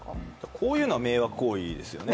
こういうのは迷惑行為ですよね